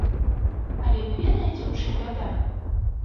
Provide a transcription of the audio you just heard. Але вы ведаеце, у чым бяда?